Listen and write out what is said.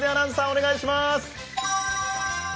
お願いします。